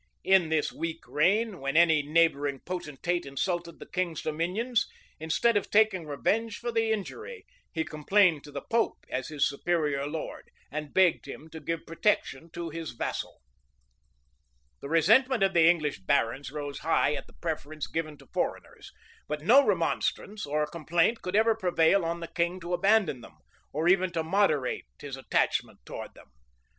In this weak reign, when any neighboring potentate insulted the king's dominions, instead of taking revenge for the injury, he complained to the pope as his superior lord, and begged him to give protection to his vassal.[] * M. Paris, p. 236, 301, 305, 316, 541. M. West. p. 302, 304. M. Paris, p. 484. M. West.p. 338. {1247.} The resentment of the English barons rose high at the preference given to foreigners; but no remonstrance or complaint could ever prevail on the king to abandon them, or even to moderate his attachment towards them.